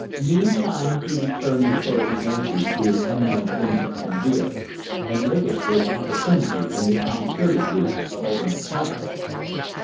Meantime he returned encouraging answers to his unknown friends in Sambir, and waited for his opportunity in the calm certitude of ultimate triumph.